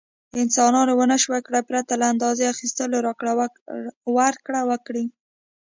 انسانانو ونشو کړای پرته له اندازې اخیستلو راکړه ورکړه وکړي.